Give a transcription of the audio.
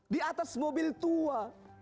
di atas mobil tua